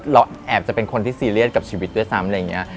เราแอบจะเป็นคนที่ซีเรียสกับชีวิตด้วยซ้ำ